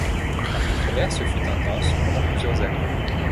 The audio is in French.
La controverse fut intense pendant plusieurs années.